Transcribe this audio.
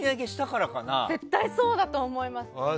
絶対そうだと思います。